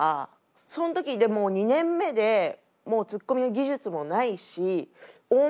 その時でも２年目でもうツッコミの技術もないしオウム